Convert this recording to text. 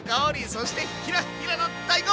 そしてひらっひらの大根！